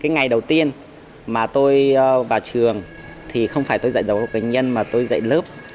cái ngày đầu tiên mà tôi vào trường thì không phải tôi dạy giáo dục bệnh nhân mà tôi dạy lớp